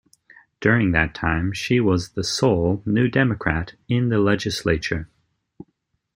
During that time, she was the sole New Democrat in the legislature.